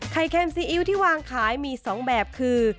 เค็มซีอิ๊วที่วางขายมี๒แบบคือ